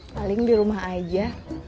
paling di rumah aja